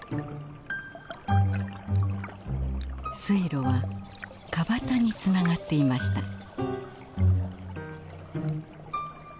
水路は川端につながっていました。